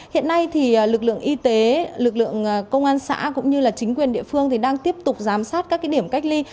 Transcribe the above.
hiện nay thì lực lượng y tế lực lượng công an xã cũng như chính quyền địa phương thì đang tiếp tục giám sát các điểm cách ly